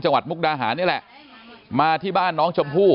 จังหวัดมุกดาหานี่แหละมาที่บ้านน้องชมพู่